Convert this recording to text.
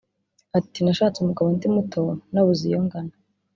Ati “ Nashatse umugabo ndi muto nabuze iyo ngana